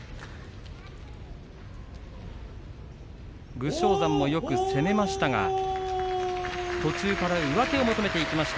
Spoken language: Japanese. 武将山もよく攻めましたが途中から上手を求めていきました